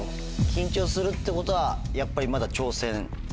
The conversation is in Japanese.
緊張するってことはやっぱり。